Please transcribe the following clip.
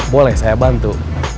boleh saya bantu